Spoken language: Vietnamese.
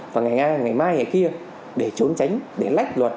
và ngày mai ngày kia để trốn tránh để lách luật